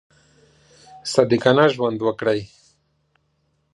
صادقانه ژوند وکړئ.